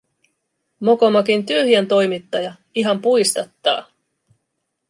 Mokomakin tyhjäntoimittaja - ihan puistattaa.